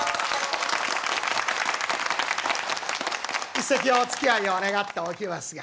一席おつきあいを願っておきますが。